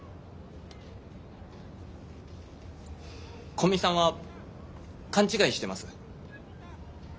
古見さんは勘違いしてます。